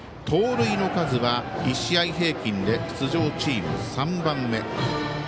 盗塁の数は１試合平均で出場チーム３番目。